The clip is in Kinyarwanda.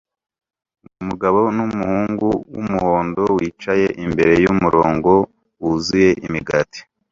Umugabo numuhungu wumuhondo wicaye imbere yumurongo wuzuye imigati